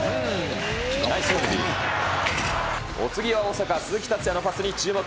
お次は大阪、鈴木達也のパスに注目。